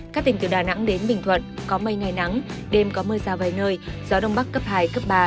các tỉnh từ đà nẵng đến bình thuận có mây ngày nắng đêm có mưa rào vài nơi gió đông bắc cấp hai cấp ba